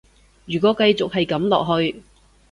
如果繼續係噉落去